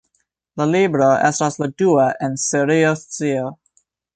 La libro estas la dua en Serio Scio.